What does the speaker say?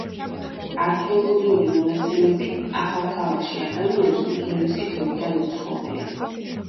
არქეოლოგიური მონაცემებით ახალქალაქში ადამიანს უძველესი დროიდან უცხოვრია.